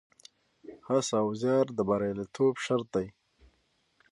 هڅه او زیار د بریالیتوب شرط دی.